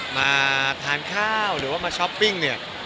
มาทานข้าวหรือว่ามาช้อปปิ้งเนี่ย